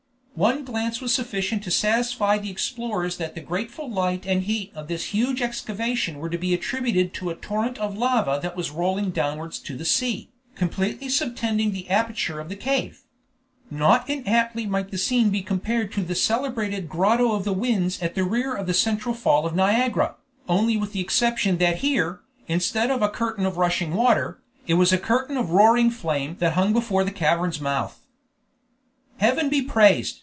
One glance was sufficient to satisfy the explorers that the grateful light and heat of this huge excavation were to be attributed to a torrent of lava that was rolling downwards to the sea, completely subtending the aperture of the cave. Not inaptly might the scene be compared to the celebrated Grotto of the Winds at the rear of the central fall of Niagara, only with the exception that here, instead of a curtain of rushing water, it was a curtain of roaring flame that hung before the cavern's mouth. "Heaven be praised!"